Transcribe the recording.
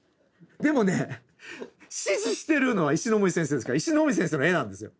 でもね指示してるのは石森先生ですから石森先生の絵なんですよ。